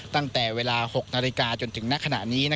ตั้งแต่เวลา๖นาฬิกาจนถึงณขณะนี้